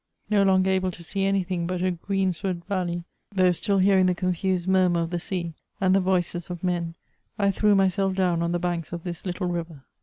No longer ahle to see anything hut a greensward valley, though still hearing the confused murmur of the sea, and the voices of men, I threw myself down on the hanks of this little river.